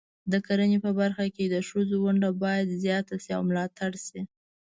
د کرنې په برخه کې د ښځو ونډه باید زیاته شي او ملاتړ شي.